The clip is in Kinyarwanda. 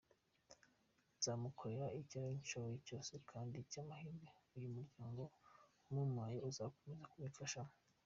Nzamukorera icyo nshoboye cyose kandi by’amahirwe uyu muryango umumpaye uzakomeza kubimfashamo.